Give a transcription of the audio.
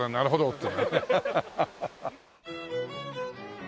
って。